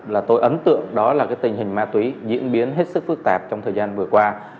là tôi ấn tượng đó là cái tình hình ma túy diễn biến hết sức phức tạp trong thời gian vừa qua